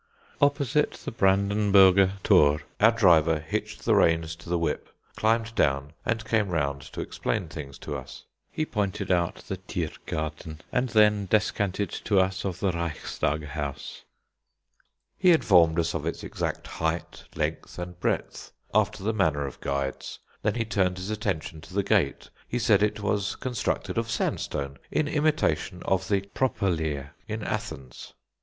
Opposite the Brandenburger Thor our driver hitched the reins to the whip, climbed down, and came round to explain things to us. He pointed out the Thiergarten, and then descanted to us of the Reichstag House. He informed us of its exact height, length, and breadth, after the manner of guides. Then he turned his attention to the Gate. He said it was constructed of sandstone, in imitation of the "Properleer" in Athens.